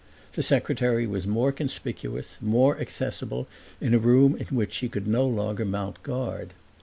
The secretary was more conspicuous, more accessible in a room in which she could no longer mount guard.